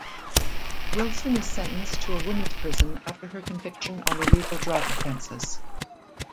Wilson is sentenced to a women's prison after her conviction on illegal drug offenses.